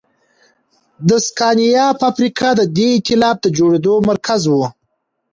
د سکانیا فابریکه د دې اېتلاف د جوړېدو مرکز و.